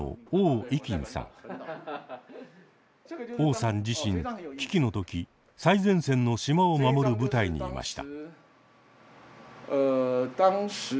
汪さん自身危機の時最前線の島を守る部隊にいました。